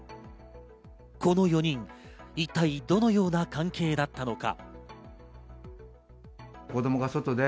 この４人、一体どのような関係だったのか。